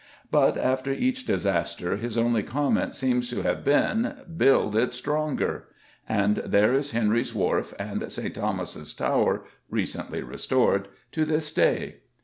But after each disaster his only comment seems to have been "Build it stronger!" and there is Henry's Wharf and St. Thomas's Tower (recently restored) to this day.